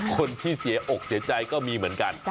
คนที่เสียอกเสียใจก็มีเหมือนกัน